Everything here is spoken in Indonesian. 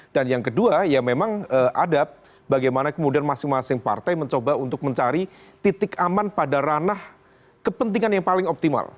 dan yang kedua ya memang adat bagaimana kemudian masing masing partai mencoba untuk mencari titik aman pada ranah kepentingan yang paling optimal